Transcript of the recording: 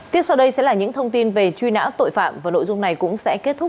tiếp sau đây sẽ là những thông tin về truy nã tội phạm và nội dung này cũng sẽ kết thúc